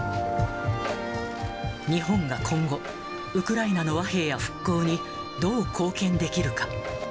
日本が今後、ウクライナの和平や復興にどう貢献できるか。